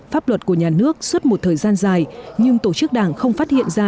pháp luật của nhà nước suốt một thời gian dài nhưng tổ chức đảng không phát hiện ra